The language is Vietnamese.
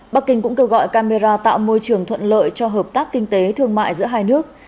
bắc kinh cũng kêu gọi camera tạo môi trường thuận lợi cho hợp tác kinh tế thương mại giữa hai nước